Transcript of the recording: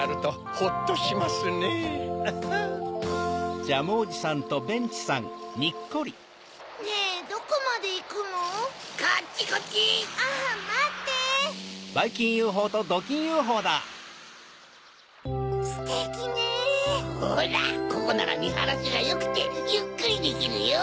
ほらここならみはらしがよくてゆっくりできるよ。